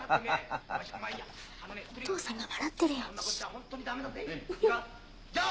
ホントに駄目だぜ。